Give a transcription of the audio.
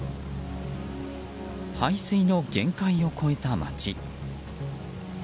排水の限界を超えた街。